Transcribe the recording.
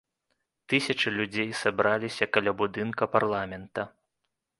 Тысячы людзей сабраліся каля будынка парламента.